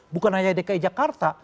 bukan hanya dki jakarta